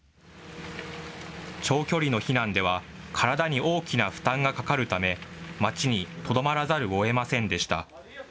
長距離の避難では、体に大きな負担がかかるため、街にとどまらざるをえませんでした。